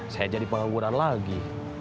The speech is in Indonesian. saya jadi pengangguran lagi